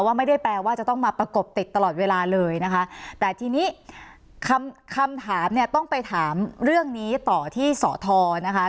ไม่ได้แปลว่าจะต้องมาประกบติดตลอดเวลาเลยนะคะแต่ทีนี้คำคำถามเนี่ยต้องไปถามเรื่องนี้ต่อที่สอทอนะคะ